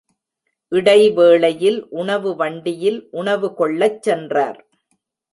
இடைவேளையில் உணவு வண்டியில் உணவு கொள்ளச் சென்றார்.